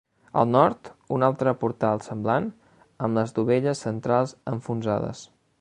Al nord, un altre portal semblant, amb les dovelles centrals enfonsades.